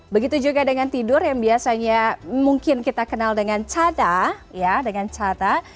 begitu juga dengan tidur yang biasanya mungkin kita kenal dengan cata